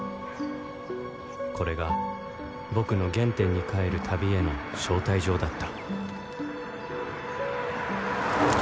これが僕の原点に返る旅への招待状だった